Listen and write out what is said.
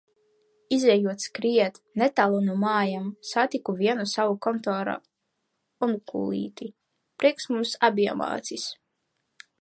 Izejot skriet, netālu no mājām, satiku vienu savu kantora onkulīti. Prieks mums abiem acīs.